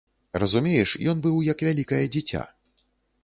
Разумееш, ён быў як вялікае дзіця.